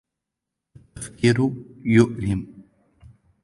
التفكير يؤلم.